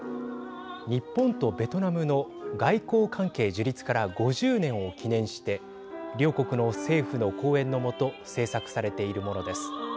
日本とベトナムの外交関係樹立から５０年を記念して両国の政府の後援の下制作されているものです。